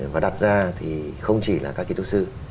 và đặt ra thì không chỉ là các kiến trúc sư